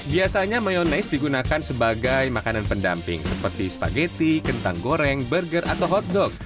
biasanya mayonaise digunakan sebagai makanan pendamping seperti spaghetti kentang goreng burger atau hotdog